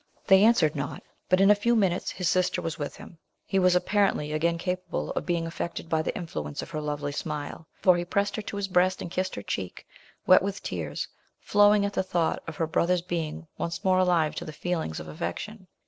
They answered not, but in a few minutes his sister was with him. He was apparently again capable of being affected by the influence of her lovely smile; for he pressed her to his breast, and kissed her cheek, wet with tears, flowing at the thought of her brother's being once more alive to the feelings of affection.